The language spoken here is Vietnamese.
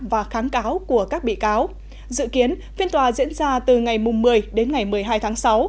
và kháng cáo của các bị cáo dự kiến phiên tòa diễn ra từ ngày một mươi đến ngày một mươi hai tháng sáu